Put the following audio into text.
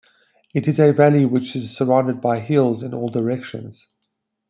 It is a valley which is surrounded by hills in all directions.